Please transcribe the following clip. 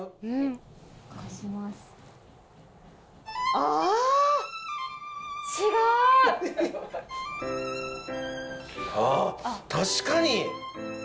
あっ確かに。